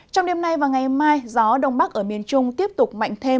trong đêm nay và ngày mai gió đông bắc ở miền trung tiếp tục mạnh thêm